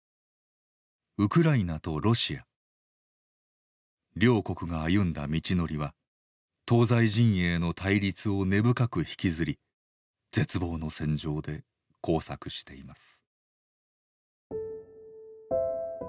ウクライナとロシア両国が歩んだ道のりは東西陣営の対立を根深く引きずり絶望の戦場で交錯しています。